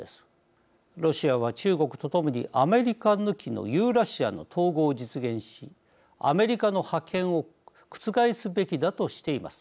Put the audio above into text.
ロシアは中国と共にアメリカ抜きのユーラシアの統合を実現しアメリカの覇権を覆すべきだとしています。